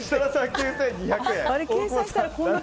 ９２００円。